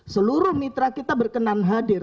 seluruh mitra kita berkenan hadir